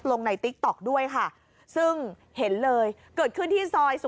มันกลับมาที่สุดท้ายแล้วมันกลับมาที่สุดท้ายแล้ว